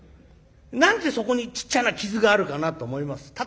何でそこにちっちゃな傷があるかなと思います。